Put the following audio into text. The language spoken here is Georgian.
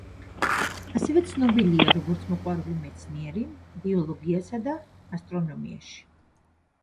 ასევე ცნობილია როგორც მოყვარული მეცნიერი, ბიოლოგიასა და ასტრონომიაში.